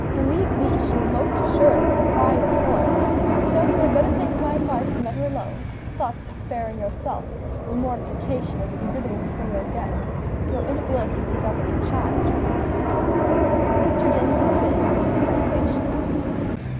Believe me, she will most assuredly defy your authority; so you had better take my advice and let her alone thus sparing yourself the mortification of exhibiting before your guests your inability to govern your child." Mr. Dinsmore bit his lip with vexation.